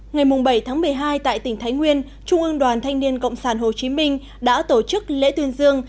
ngày bảy tháng một mươi hai tại tỉnh thái nguyên trung ương đoàn thanh niên cộng sản hồ chí minh đã tổ chức lễ tuyên dương